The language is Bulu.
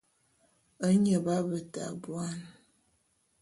Nye b'abeta buan.